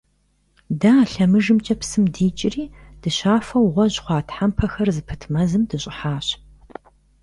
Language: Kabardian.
Дэ а лъэмыжымкӏэ псым дикӏри дыщафэу гъуэжь хъуа тхьэмпэхэр зыпыт мэзым дыщӏыхьащ.